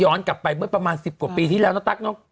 ย้อนกลับไปประมาณ๑๐กว่าปีที่แล้วนะตั๊ก